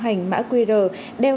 không hợp lệ